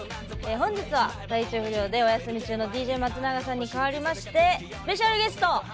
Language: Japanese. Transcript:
本日は体調不良でお休み中のＤＪ松永さんに代わりましてスペシャルゲストＲ‐指定さんです！